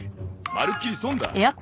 まるっきり損だ。